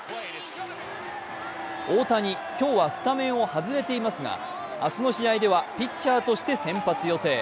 大谷、今日はスタメンを外れていますが明日の試合ではピッチャーとして先発予定。